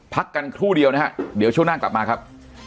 พักกันครู่เดียวนะฮะเดี๋ยวช่วงหน้ากลับมาครับ